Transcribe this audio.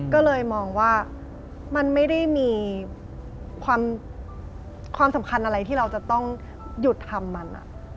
ก็เลยมองว่ามันไม่ได้มีความสำคัญอะไรที่เราจะต้องหยุดทำมัน